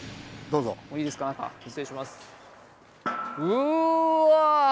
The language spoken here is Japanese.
うわ！